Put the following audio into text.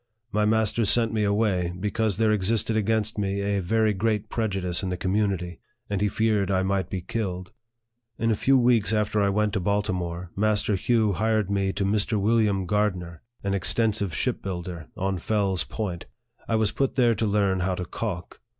My master sent me away, be cause there existed against me a very great prejudice in the community, and he feared I might be killed. In a few weeks after I went to Baltimore, Master Hugh hired me to Mr. William Gardner, an extensive ship builder, on Fell's Point. I was put there to learn how to calk.